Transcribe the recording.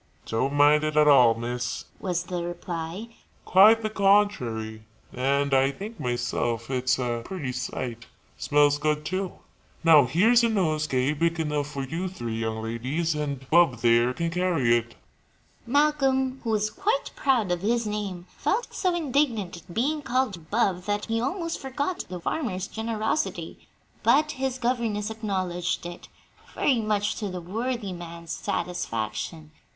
"Don't mind it at all, miss," was the reply "quite the contrary; and I think, myself, it's a pretty sight. Smells good, too. Now, here's a nosegay big enough for you three young ladies, and Bub there can carry it." Malcolm, who was quite proud of his name, felt so indignant at being called "Bub" that he almost forgot the farmer's generosity; but his governess acknowledged it, very much to the worthy man's satisfaction.